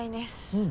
うん。